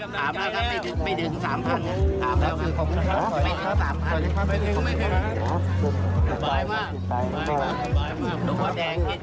กลับมาครับไปดึง๓๐๐๐คิด